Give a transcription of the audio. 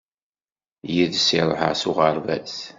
Yid-s i ṛuḥeɣ s uɣerbaz.